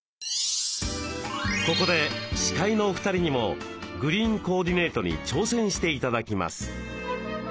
ここで司会のお二人にもグリーンコーディネートに挑戦して頂きます。